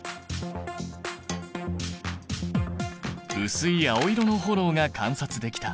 薄い青色の炎が観察できた。